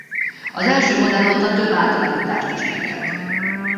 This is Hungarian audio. Az első modell óta több átalakítást is megélt.